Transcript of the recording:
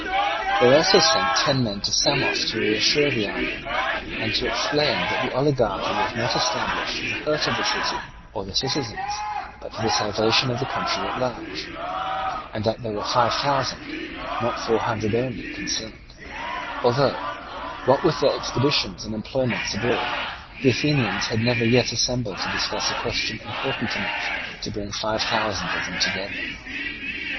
They also sent ten men to Samos to reassure the army, and to explain that the oligarchy was not established for the hurt of the city or the citizens, but for the salvation of the country at large; and that there were five thousand, not four hundred only, concerned; although, what with their expeditions and employments abroad, the Athenians had never yet assembled to discuss a question important enough to bring five thousand of them together.